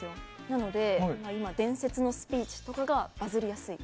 なので今伝説のスピーチというのがバズりやすい。